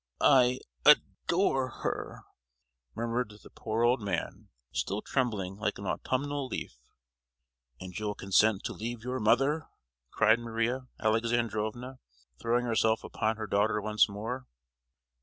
"I ad—ore her!" murmured the poor old man, still trembling like an autumnal leaf. "And you'll consent to leave your mother!" cried Maria Alexandrovna, throwing herself upon her daughter once more.